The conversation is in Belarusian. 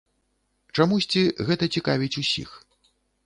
Чамусьці, гэта цікавіць усіх.